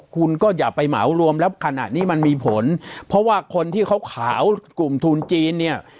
คุณก็อย่าไปเหมารวมแล้วขณะนี้มันมีผลเพราะว่าคนที่เขาขาวกลุ่มทุนจีนเนี่ย